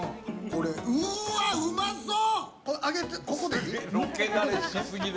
うーわ、うまそう！